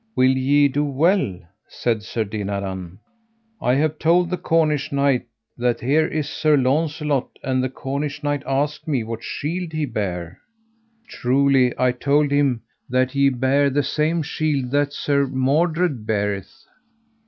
Will ye do well? said Sir Dinadan: I have told the Cornish knight that here is Sir Launcelot, and the Cornish knight asked me what shield he bare. Truly, I told him that he bare the same shield that Sir Mordred beareth.